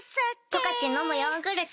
「十勝のむヨーグルト」